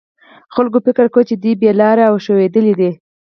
خلکو فکر کاوه چې دوی بې لارې او ښویېدلي دي.